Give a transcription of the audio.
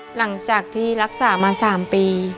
หลังจากที่รักษามา๓ปี